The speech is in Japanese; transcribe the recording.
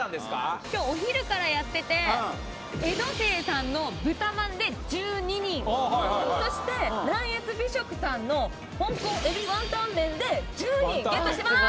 今日お昼からやってて江戸清さんのブタまんで１２人そして南粤美食さんの香港海老雲呑麺で１０人ゲットしてます